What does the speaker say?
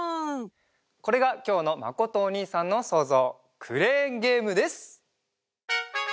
これがきょうのまことおにいさんのそうぞうクレーンゲームです！